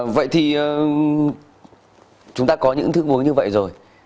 vậy thì chúng ta có những thức uống như vậy rồi